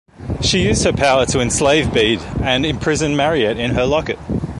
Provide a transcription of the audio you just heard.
She used her power to enslave Bede and imprison Mariette in her locket.